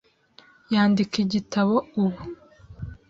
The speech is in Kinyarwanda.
Yandika igitabo ubu .